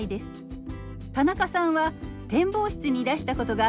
田中さんは展望室にいらしたことがあるそうですね？